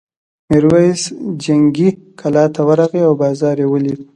میرويس جنګي کلا ته ورغی او بازار یې ولید.